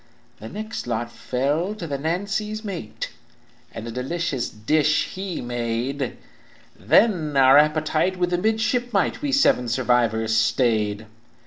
"The next lot fell to the Nancy's mate, And a delicate dish he made; Then our appetite with the midshipmite We seven survivors stayed.